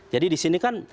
jadi di sini kan